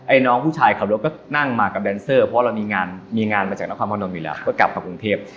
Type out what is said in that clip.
น้องผู้ชายขับรถก็นั่งมากับแดนเซอร์เพราะเรามีงานมีงานมาจากนครพนมอยู่แล้วก็กลับมากรุงเทพ